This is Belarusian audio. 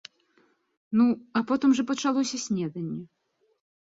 Ну, а потым жа пачалося снеданне.